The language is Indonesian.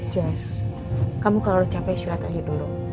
jazz kamu kalau capek istirahat aja dulu